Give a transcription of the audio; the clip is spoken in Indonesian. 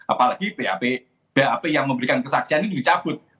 apalagi bap yang memberikan kesaksian ini dicabut